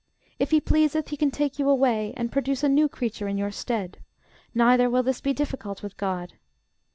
If he pleaseth, he can take you away, and produce a new creature in your stead: neither will this be difficult with GOD.